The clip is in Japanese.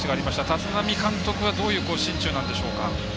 立浪監督がどういう心中なんでしょうか。